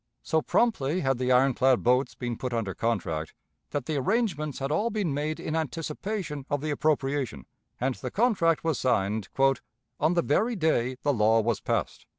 So promptly had the iron clad boats been put under contract, that the arrangements had all been made in anticipation of the appropriation, and the contract was signed "on the very day the law was passed."